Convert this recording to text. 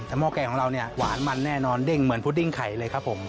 แต่หม้อแกงของเราเนี่ยหวานมันแน่นอนเด้งเหมือนพุดดิ้งไข่เลยครับผม